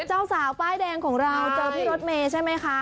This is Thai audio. เจ้าสาวป้ายแดงของเราเจอพี่รถเมย์ใช่ไหมคะ